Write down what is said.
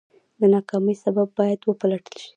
د ناکامۍ سبب باید وپلټل شي.